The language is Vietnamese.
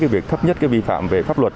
việc thấp nhất vi phạm về pháp luật